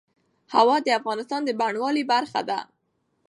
هوا د افغانستان د بڼوالۍ برخه ده.